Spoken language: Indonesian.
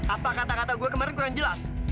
apa kata kata gue kemarin kurang jelas